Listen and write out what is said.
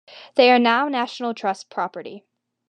They are now National Trust property.